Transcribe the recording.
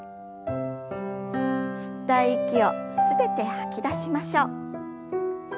吸った息を全て吐き出しましょう。